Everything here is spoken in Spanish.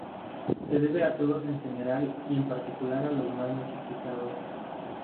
Se debe a todos en general y en particular a los más necesitados.